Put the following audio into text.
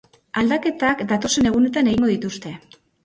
Aldaketak datozen egunetan egingo dituzte.